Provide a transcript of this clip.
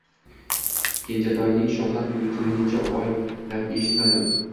Kenjatoyning shodon kulgisini necha oylab eshitmadim